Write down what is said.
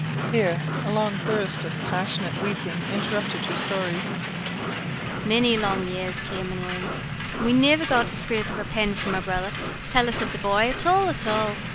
Here a long burst of passionate weeping interrupted her story. "Many long years came an' wint, and we niver got the scrape of a pen from my brother to tell us of the bhoy at all at all.